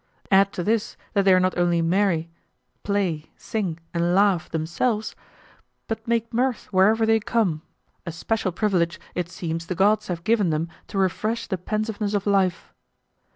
Add to this that they are not only merry, play, sing, and laugh themselves, but make mirth wherever they come, a special privilege it seems the gods have given them to refresh the pensiveness of life.